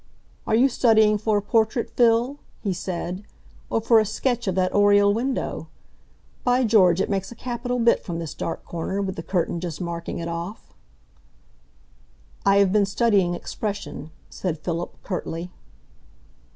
"Are you studying for a portrait, Phil," he said, "or for a sketch of that oriel window? By George, it makes a capital bit from this dark corner, with the curtain just marking it off." "I have been studying expression," said Philip, curtly.